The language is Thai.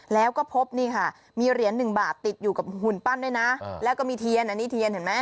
แล้วก็พบนี่ค่ะมีเหรียญหนึ่งบาทติดอยู่กับหุ่นปั้นด้วยนะแล้วก็มีเทียนอันนี้เทียนเห็นไหม